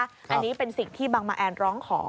อันนี้เป็นสิ่งที่บังมาแอนร้องขอ